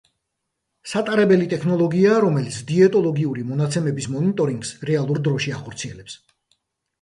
სატარებელი ტექნოლოგიაა, რომელიც დიეტოლოგიური მონაცემების მონიტორინგს რეალურ დროში ახორციელებს.